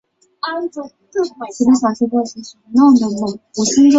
有关建议遭批评为严重扭曲选民意愿及剥夺市民的补选权。